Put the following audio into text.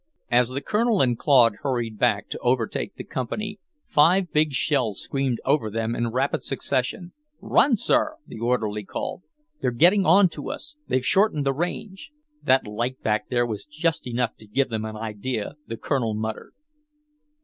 As the Colonel and Claude hurried back to overtake the Company, five big shells screamed over them in rapid succession. "Run, sir," the orderly called. "They're getting on to us; they've shortened the range." "That light back there was just enough to give them an idea," the Colonel muttered.